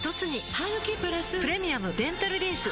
ハグキプラス「プレミアムデンタルリンス」